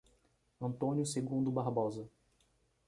Antônio Segundo Barbosa